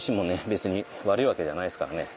別に悪いわけじゃないですからね。